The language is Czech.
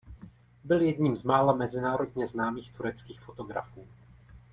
Byl jedním z mála mezinárodně známých tureckých fotografů.